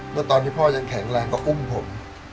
เมื่อตอนที่พ่อยังแข็งแรงก็อุ้มผม